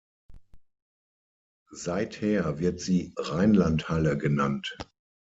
Seither wird sie „Rheinlandhalle“ genannt.